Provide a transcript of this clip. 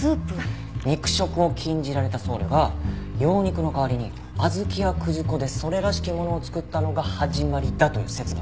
肉食を禁じられた僧侶が羊肉の代わりに小豆や葛粉でそれらしきものを作ったのが始まりだという説がある。